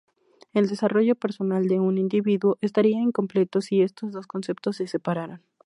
El desarrollo personal de un individuo estaría incompleto si estos dos conceptos se separan.